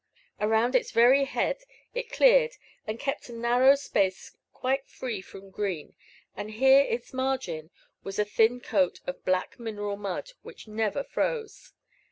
Around its very head, it cleared, and kept, a narrow space quite free from green, and here its margin was a thin coat of black mineral mud, which never froze.